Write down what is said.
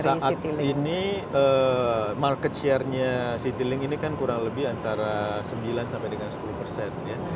kalau dengan saat ini market share nya citylink ini kan kurang lebih antara sembilan sampai dengan sepuluh persen ya